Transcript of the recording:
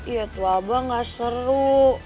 ya tuh abah gak seru